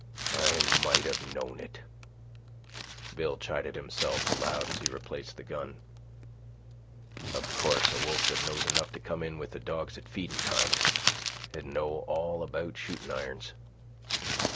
"I might have knowed it," Bill chided himself aloud as he replaced the gun. "Of course a wolf that knows enough to come in with the dogs at feedin' time, 'd know all about shooting irons.